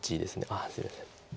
あっすいません。